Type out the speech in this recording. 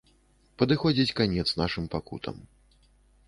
Падыходзіць канец нашым пакутам.